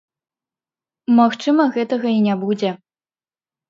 Магчыма, гэтага і не будзе.